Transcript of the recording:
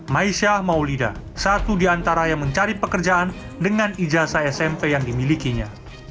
maisyah maulida satu di antara yang mencari pekerjaan dengan ijazah smp yang dimilikinya